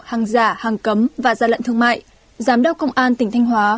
hàng giả hàng cấm và gian lận thương mại giám đốc công an tỉnh thanh hóa